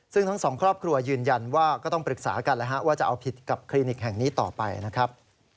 ซึ่งทั้งสองครอบครัวยืนยันว่าก็ต้องปรึกษากันแล้วว่าจะเอาผิดกับคลินิกแห่งนี้ต่อไปนะครับ